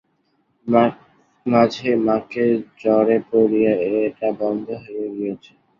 মাঝে মাকে জ্বরে পড়িয়া এটা বন্ধ হইয়া গিয়াছে।